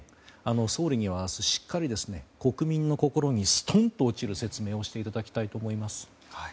総理には明日、しっかり国民の心にすとんと落ちる説明をしていただきたいと思います。